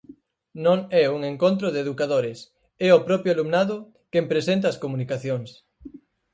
Non é un encontro de educadores, é o propio alumnado quen presenta as comunicacións.